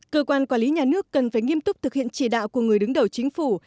cơ quan quản lý nhà nước cần phải nghiêm túc thực hiện chỉ đạo của người đứng đầu chính phủ